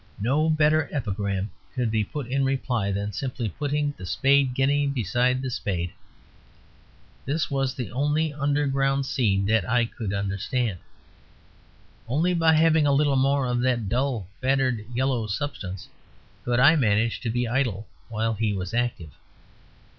No better epigram could be put in reply than simply putting the Spade Guinea beside the Spade. This was the only underground seed that I could understand. Only by having a little more of that dull, battered yellow substance could I manage to be idle while he was active.